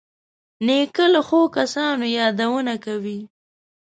نیکه له ښو کسانو یادونه کوي.